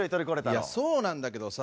いやそうなんだけどさ。